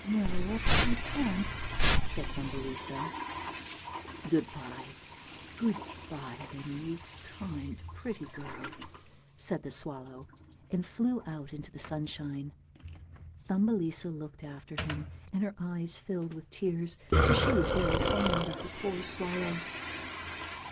" No, I can't," said Thumbelisa. " Good bye, good bye, then, you kind pretty girl," said the swallow, and flew out into the sunshine. Thumbelisa looked after him and her eyes filled with tears, for she was very fond of the poor swallow.